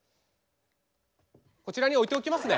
こちらに置いておきますね。